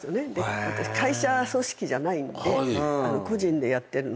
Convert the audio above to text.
私会社組織じゃないんで個人でやってるので。